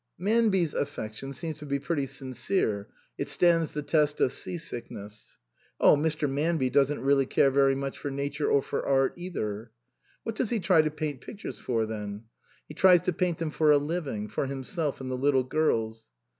"Manby's affection seems to be pretty sin cere ; it stands the test of sea sickness." " Oh, Mr. Manby doesn't really care very much for nature or for art either." "What does he try to paint pictures for, then?" " He tries to paint them for a living, for him self and the little girls."